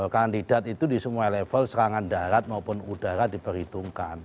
kandidat itu di semua level serangan darat maupun udara diperhitungkan